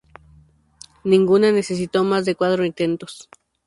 Ninguna necesitó más de cuatro intentos.